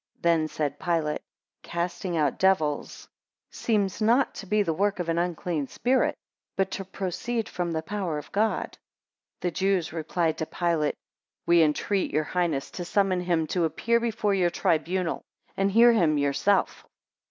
6 Then said Pilate, Casting out devils seems not to be the work of an unclean spirit, but to proceed from the power of God. 7 The Jews replied to Pilate, We entreat your highness to summon him to appear before your tribunal, and hear him yourself.